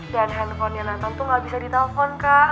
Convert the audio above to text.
dan handphonenya nathan tuh gak bisa ditelepon kak